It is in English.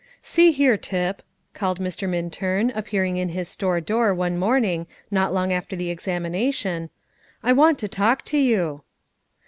"See here, Tip," called Mr. Minturn, appearing in his store door one morning not long after the examination; "I want to talk to you."